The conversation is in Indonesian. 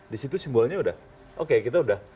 di situ simbolnya udah oke kita udah